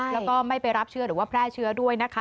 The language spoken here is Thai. แล้วก็ไม่ไปรับเชื้อหรือว่าแพร่เชื้อด้วยนะคะ